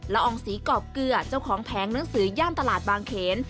อองศรีกรอบเกลือเจ้าของแผงหนังสือย่านตลาดบางเขน